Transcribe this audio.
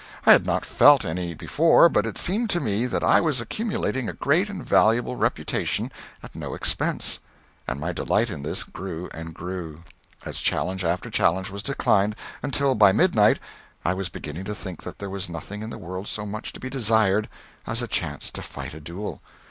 I had not felt any before; but it seemed to me that I was accumulating a great and valuable reputation at no expense, and my delight in this grew and grew, as challenge after challenge was declined, until by midnight I was beginning to think that there was nothing in the world so much to be desired as a chance to fight a duel.